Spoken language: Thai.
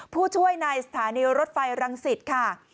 ผู้ช่วยในสถานีรถไฟรังสิตค่ะ